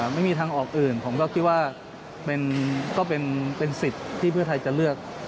ไม่มีทางออกอื่นผมก็คิดว่าก็เป็นสิทธิ์ที่เพื่อไทยจะเลือก